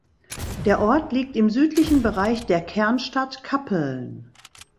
Der Ort liegt im südlichen Bereich der Kernstadt Kappeln.